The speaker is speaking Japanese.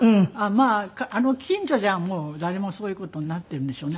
まああの近所じゃもう誰もそういう事になっているんでしょうね。